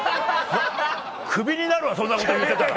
クビになるわそんなこと言ってたら。